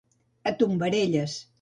A tombarelles.